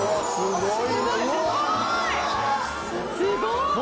すごい！